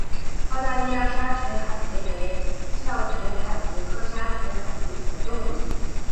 澳大利亚沙群海葵为鞘群海葵科沙群海葵属的动物。